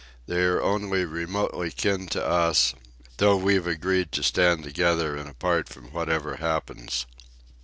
They are only remotely kin to us, though we've agreed to stand together and apart from whatever happens."